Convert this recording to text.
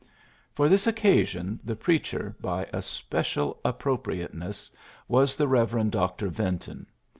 For this occasion the preacher, by a special appropriateness, was the Rev. Dr. Yinton.